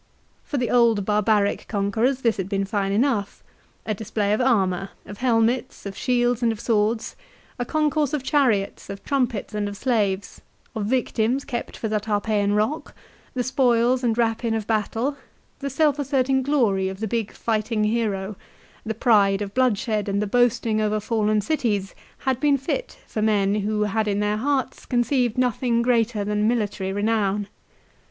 For the old barbaric conquerors this had been fine enough. A display of armour, of helmets of shields and of swords, a concourse of chariots, of trumpets, and of slaves, of victims kept for the Tarpeian rock, the spoils and rapine of battle, the self asserting glory of the big fighting hero, the pride of bloodshed and the boasting over fallen cities, had been fit for men who had in their hearts conceived nothing greater than military renown.